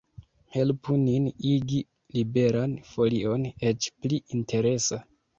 Helpu nin igi Liberan Folion eĉ pli interesa!